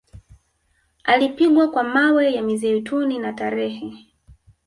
Alipigwa kwa mawe ya mizeituni na tarehe